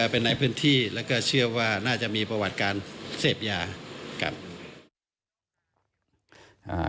เป็นในพื้นที่แล้วก็เชื่อว่าน่าจะมีประวัติการเสพยากัน